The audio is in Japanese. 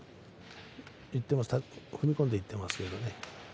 踏み込んでいきますけれどね。